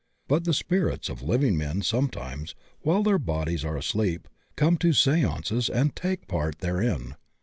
But the spirits of living men sometimes, while their bodies are asleep, come to seances and take part therein.